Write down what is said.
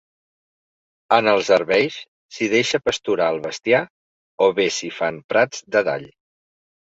En els herbeis, s’hi deixa pasturar el bestiar o bé s’hi fan prats de dall.